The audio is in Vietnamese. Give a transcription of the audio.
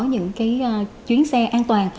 những cái chuyến xe an toàn